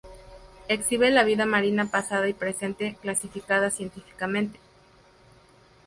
Exhibe la vida marina pasada y presente, clasificada científicamente.